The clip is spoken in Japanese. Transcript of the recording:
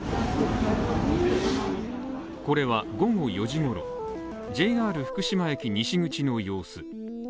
これは、午後４時ごろ、ＪＲ福島駅西口の様子